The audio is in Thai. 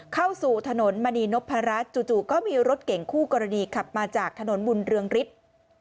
เข้าสู่ถนนมณีนพรัชจู่ก็มีรถเก่งคู่กรณีขับมาจากถนนบุญเรืองฤทธิ์